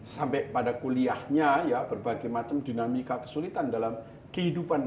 sampai pada kuliahnya ya berbagai macam dinamika kesulitan dalam kehidupan